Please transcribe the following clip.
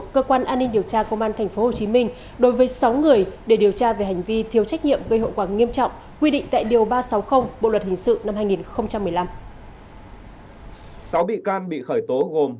cơ quan công an phát hiện bắt giữ phúc tại cơ sở xã hội huyện hóc môn tp hcm